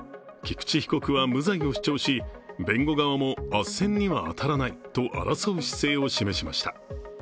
菊池被告は、無罪を主張し弁護側もあっせんには当たらないと争う姿勢を示しました。